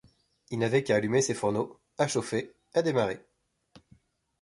Il n’avait qu’à allumer ses fourneaux, à chauffer, à démarrer !